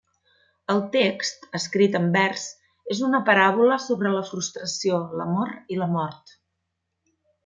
El text, escrit en vers, és una paràbola sobre la frustració, l'amor i la mort.